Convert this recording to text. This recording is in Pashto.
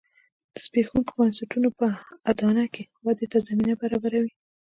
د زبېښونکو بنسټونو په اډانه کې ودې ته زمینه برابروي